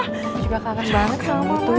aku juga kangen banget sama mama